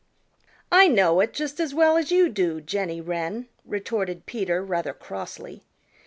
"I know it just as well as you do, Jenny Wren," retorted Peter rather crossly.